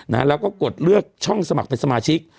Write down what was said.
แล้วก็กดเลือกช่องสมัครเป็นสมาชิก